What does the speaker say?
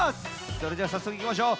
それじゃあさっそくいきましょう！